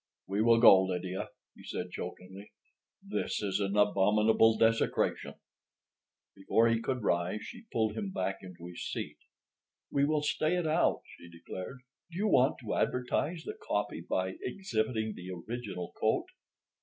"We will go, Lydia," he said chokingly. "This is an abominable—desecration." Before he could rise, she pulled him back into his seat. "We will stay it out," she declared. "Do you want to advertise the copy by exhibiting the original coat?"